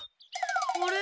あれ？